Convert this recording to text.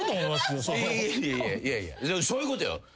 いやいやそういうことよ。